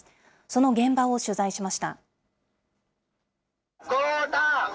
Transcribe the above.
その現場を取材しました。